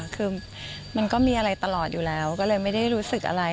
คือมันก็มีอะไรตลอดอยู่แล้วก็เลยไม่ได้รู้สึกอะไร